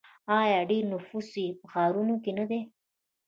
آیا ډیری نفوس یې په ښارونو کې نه دی؟